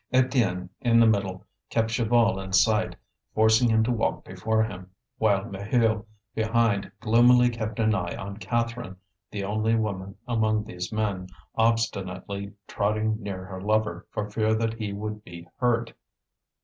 Étienne, in the middle, kept Chaval in sight, forcing him to walk before him; while Maheu, behind, gloomily kept an eye on Catherine, the only woman among these men, obstinately trotting near her lover for fear that he would be hurt.